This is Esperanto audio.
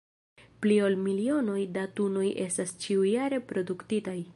Pli ol milionoj da tunoj estas ĉiujare produktitaj.